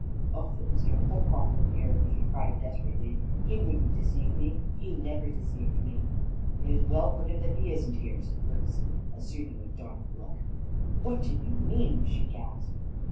"Oh, that Mr. Holcroft were here!" she cried desperately. "He wouldn't deceive me; he never deceived me." "It is well for him that he isn't here," said Ferguson, assuming a dark look. "What do you mean?" she gasped.